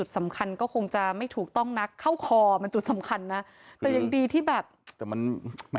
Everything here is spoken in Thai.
เขาเลยเดินละตรงนี้แล้วเขาก็แจกว่าตรงนี้เป็นฝาท่อง